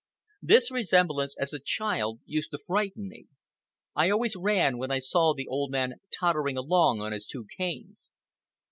This resemblance, as a child, used to frighten me. I always ran when I saw the old man tottering along on his two canes.